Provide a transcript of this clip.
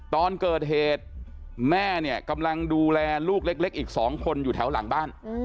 ตอนเกิดเหตุแม่เนี่ยกำลังดูแลลูกเล็กอีก๒คนอยู่แถวหลังบ้าน